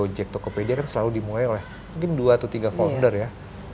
kayak di cektokopedia kan selalu dimulai oleh mungkin dua atau tiga folder ya